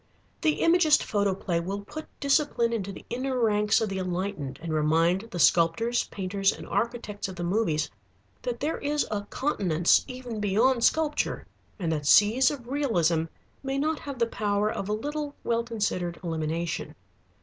The Imagist photoplay will put discipline into the inner ranks of the enlightened and remind the sculptors, painters, and architects of the movies that there is a continence even beyond sculpture and that seas of realism may not have the power of a little well considered elimination.